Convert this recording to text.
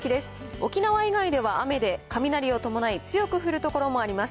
沖縄以外では雨で、雷を伴い、強く降る所もあります。